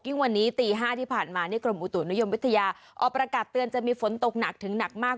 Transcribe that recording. วันนี้ตี๕ที่ผ่านมานี่กรมอุตุนิยมวิทยาออกประกาศเตือนจะมีฝนตกหนักถึงหนักมาก